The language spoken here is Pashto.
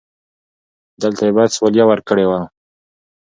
دلته يې بايد سواليه ورکړې و.